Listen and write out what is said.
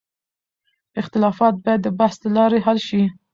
اختلافات باید د بحث له لارې حل شي.